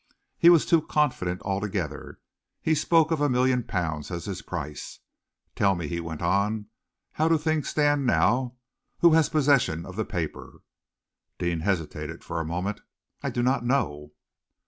He was too confident altogether. He spoke of a million pounds as his price. Tell me," he went on, "how do things stand now? Who has possession of the paper?" Deane hesitated for a moment. "I do not know."